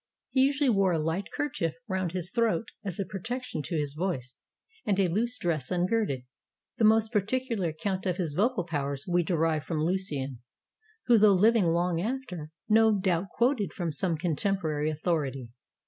He usually wore a light kerchief round his throat, as a protection to his voice, and a loose dress ungirded. The most particular account of his vocal powers we derive from Lucian, who, though living long after, no doubt quoted from some contemporary authority.